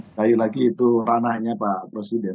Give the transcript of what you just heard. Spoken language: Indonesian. sekali lagi itu ranahnya pak presiden